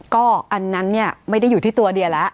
ก็อันนั้นเนี่ยไม่ได้อยู่ที่ตัวเดียแล้ว